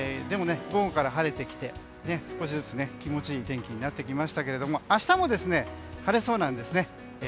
でも、午後から晴れてきて少しずつ気持ちいい天気になってきましたが明日も晴れそうなんです。